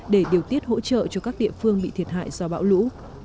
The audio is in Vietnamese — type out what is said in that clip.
để điều tiết hỗ trợ cho các địa phương bị thiệt hại do bão lũ